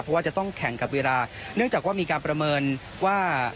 เพราะว่าจะต้องแข่งกับเวลาเนื่องจากว่ามีการประเมินว่า